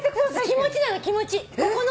気持ちなの気持ち。